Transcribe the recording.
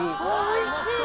おいしい！